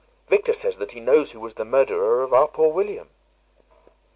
Victor says that he knows who was the murderer of poor William."